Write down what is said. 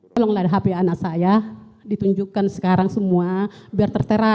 tolonglah hp anak saya ditunjukkan sekarang semua biar tertera